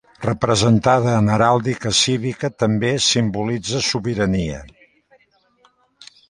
Representada en heràldica cívica, també simbolitza sobirania.